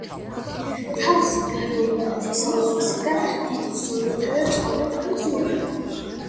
თავისი გარეული ნათესავებისაგან დიდი ზომითა და წონით განსხვავდება.